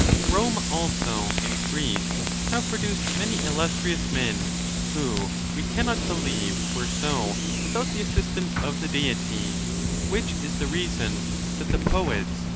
Rome also and Greece have produced inany illustrious men, who we cannot believe were so without the assistance of the Deity ; which is the reason that the poets.